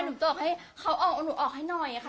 หนูก็อยากจะมาออกกล้องบ้างนะคะ